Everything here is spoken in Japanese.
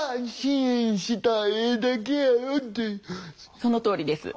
そのとおりです。